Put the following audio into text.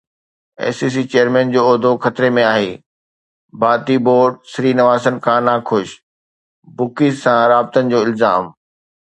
اي C C chairman جو عهدو خطري ۾ آهي، ڀارتي بورڊ سري نواسن کان ناخوش، بکيز سان رابطن جو الزام